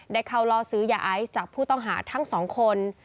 ได้เข้าล่อซื้อยาไอซ์จากผู้ต้องหาทั้งสองคน